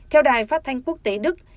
theo đài phát thanh quốc tế đức